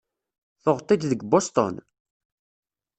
Tuɣeḍ-t-id deg Boston?